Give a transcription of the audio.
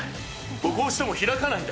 ここを押しても開かないんだ。